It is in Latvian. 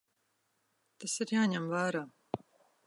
Tas ir jāņem vērā.